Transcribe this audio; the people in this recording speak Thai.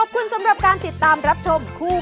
โปรดติดตามตอนต่อไป